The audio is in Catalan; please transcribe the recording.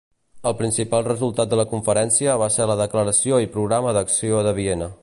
El principal resultat de la conferència va ser la Declaració i programa d'acció de Viena.